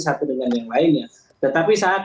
satu dengan yang lainnya tetapi saat